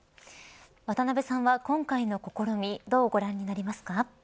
渡辺さんは、今回の試みどうご覧になりますか。